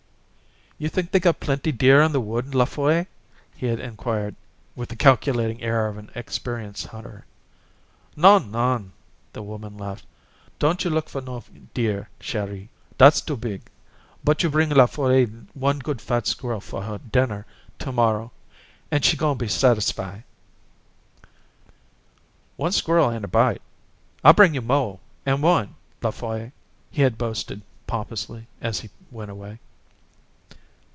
"You think they got plenty deer in the wood, La Folle?" he had inquired, with the calculating air of an experienced hunter. "Non, non!" the woman laughed. "Don't you look fo' no deer, Chéri. Dat's too big. But you bring La Folle one good fat squirrel fo' her dinner to morrow, an' she goin' be satisfi'." "One squirrel ain't a bite. I'll bring you mo' 'an one, La Folle," he had boasted pompously as he went away.